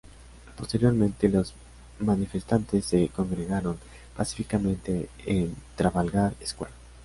Posteriormente, los manifestantes se congregaron pacíficamente en Trafalgar Square.